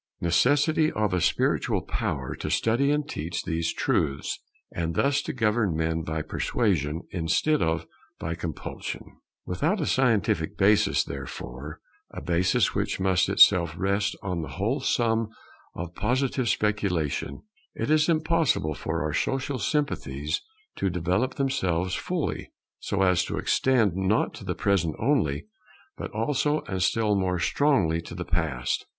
[Necessity of a spiritual power to study and teach these truths, and thus to govern men by persuasion, instead of by compulsion] Without a scientific basis, therefore, a basis which must itself rest on the whole sum of Positive speculation, it is impossible for our social sympathies to develop themselves fully, so as to extend not to the Present only, but also and still more strongly to the Past.